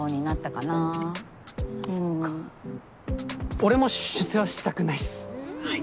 俺も出世はしたくないっすはい。